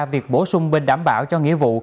việc bổ sung bên đảm bảo cho nghĩa vụ